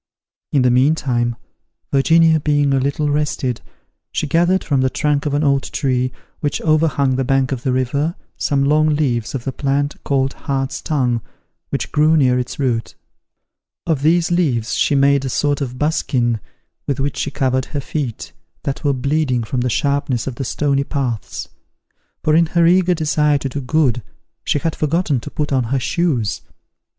In the meantime, Virginia being a little rested, she gathered from the trunk of an old tree, which overhung the bank of the river, some long leaves of the plant called hart's tongue, which grew near its root. Of these leaves she made a sort of buskin, with which she covered her feet, that were bleeding from the sharpness of the stony paths; for in her eager desire to do good, she had forgotten to put on her shoes.